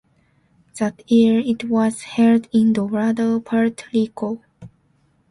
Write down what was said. That year, it was held in Dorado, Puerto Rico.